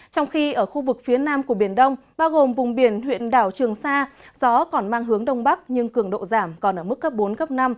trong khi ở khu vực phía nam của biển đông bao gồm vùng biển huyện đảo trường sa gió còn mang hướng đông bắc nhưng cường độ giảm còn ở mức cấp bốn cấp năm